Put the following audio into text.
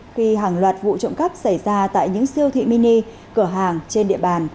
khi hàng loạt vụ trộm cắp xảy ra tại những siêu thị mini cửa hàng trên địa bàn